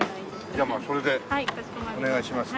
じゃあそれでお願いします。